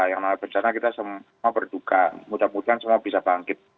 yang namanya bencana kita semua berduka mudah mudahan semua bisa bangkit